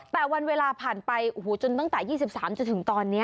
แต่วันเวลาผ่านไปจนตั้งแต่๒๓จนถึงตอนนี้